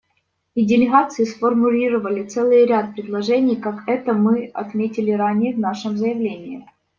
И делегации сформулировали целый ряд предложений, как это мы отметили ранее в нашем заявлении.